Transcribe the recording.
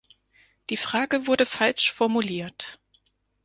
Die Frage wurde falsch formuliert.